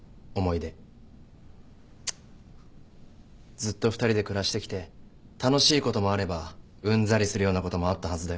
ずっと２人で暮らしてきて楽しいこともあればうんざりするようなこともあったはずだよ。